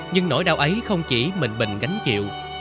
nhưng nỗi đau ấy không chỉ mình bình gánh chịu